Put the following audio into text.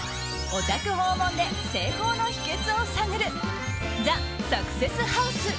お宅訪問で成功の秘訣を探るＴＨＥサクセスハウス